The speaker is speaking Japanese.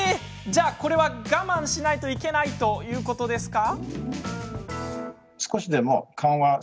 じゃあ、これは我慢しないといけないということですか？